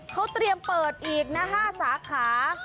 เขาเตรียมเปิดอีกนะ๕สาขา